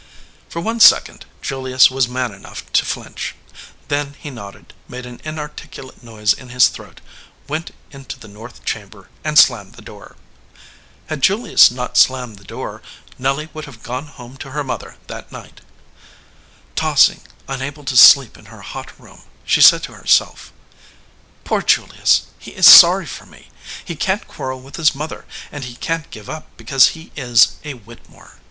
For one second Julius was man enough to flinch. Then he nodded, made an inarticulate noise in his throat, went into the north chamber, and slammed the door. Had Julius not slammed the door, Nelly would have gone home to her mother that night. 203 EDGEWATER PEOPLE Tossing, unable to sleep in her hot room, she said to herself : "Poor Julius, he is sorry for me. He can t quarrel with his mother, and he can t give up be cause he is a Whittemore."